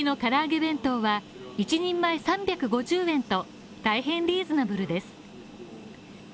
弁当は１人前３５０円と大変リーズナブルです。